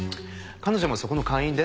彼女もそこの会員で。